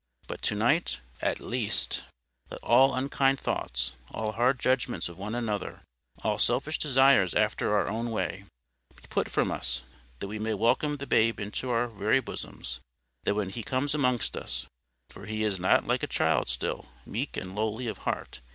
But to night, at least, let all unkind thoughts, all hard judgments of one another, all selfish desires after our own way, be put from us, that we may welcome the Babe into our very bosoms; that when He comes amongst us—for is He not like a child still, meek and lowly of heart?